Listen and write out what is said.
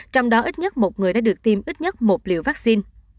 trong đó ít nhất một người đã được tiêm ít nhất một liều vaccine